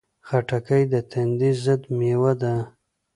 خټکی د تندې ضد مېوه ده.